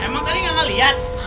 emang tadi nggak melihat